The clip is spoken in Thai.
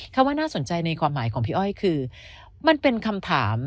ว่าน่าสนใจในความหมายของพี่อ้อยคือมันเป็นคำถาม